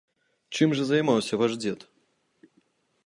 Чым жа займаўся ваш дзед?